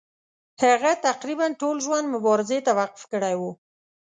هغه تقریبا ټول ژوند مبارزې ته وقف کړی وو.